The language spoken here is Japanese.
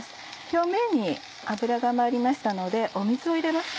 表面に油が回りましたので水を入れます。